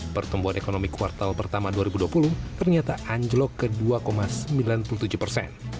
pertumbuhan ekonomi kuartal pertama dua ribu dua puluh ternyata anjlok ke dua sembilan puluh tujuh persen